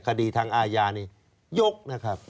คดีทางอาญานี่ยกนะครับ